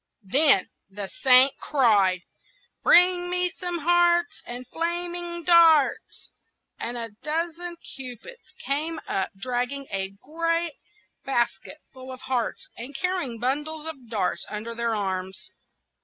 Then the Saint cried,— "Bring me some hearts, And flaming darts!" and a dozen cupids came up, dragging a great basket full of hearts, and carrying bundles of darts under their arms.